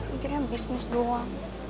mikirin bisnis doang